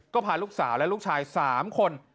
ก็พาลูกสาวและลูกชาย๓คน